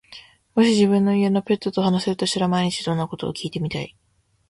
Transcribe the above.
もし自分の家のペットと話せるとしたら、毎日どんなことを聞いてみたい？